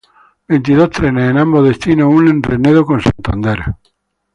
Veintidós trenes en ambos destinos unen Renedo con Santander.